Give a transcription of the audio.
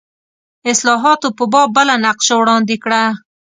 اصلاحاتو په باب بله نقشه وړاندې کړه.